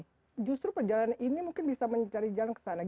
kalau saya bilang justru perjalanan ini mungkin bisa mencari jalan ke sana